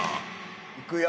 いくよ。